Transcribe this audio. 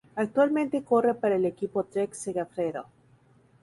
Actualmente corre para el equipo Trek-Segafredo.